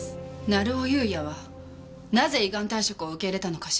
成尾優也はなぜ依願退職を受け入れたのかしら。